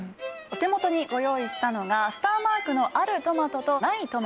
お手元にご用意したのがスターマークのあるトマトとないトマトです。